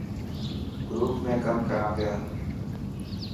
گروپ ۾ ڪم ڪران پيا.